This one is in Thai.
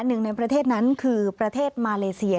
หนึ่งในประเทศนั้นคือประเทศมาเลเซีย